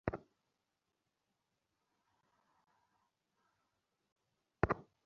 শিল্পা ও কুন্দ্রা যৌথভাবে রাজস্থান রয়্যালসের মালিক।